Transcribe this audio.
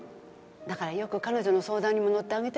だからよく彼女の相談にも乗ってあげてたの。